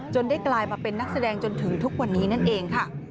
ได้กลายมาเป็นนักแสดงจนถึงทุกวันนี้นั่นเองค่ะ